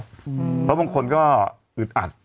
เพราะบางคนก็อึดอัด